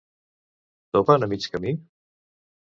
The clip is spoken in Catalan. Topen a mig camí?